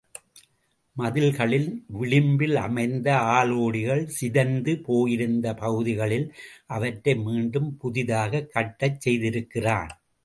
மதில்களின் விளிம்பிலமைந்த ஆளோடிகள் சிதைந்து போயிருந்த பகுதிகளில், அவற்றை மீண்டும் புதிதாகக் கட்டச் செய்திருக்கிறான்.